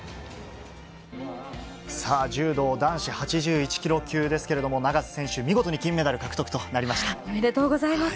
さあ、柔道男子８１キロ級ですけれども、永瀬選手、見事に金メダル獲得とおめでとうございます。